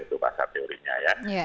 itu bahasa teorinya